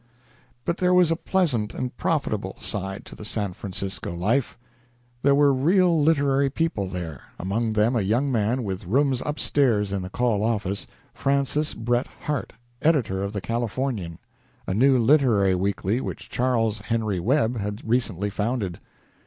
But there was a pleasant and profitable side to the San Francisco life. There were real literary people there among them a young man, with rooms upstairs in the "Call" office, Francis Bret Harte, editor of the "Californian," a new literary weekly which Charles Henry Webb had recently founded.